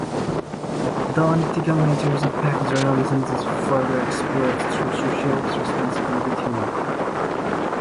The unethical nature of pack journalism is further explored through Social Responsibility Theory.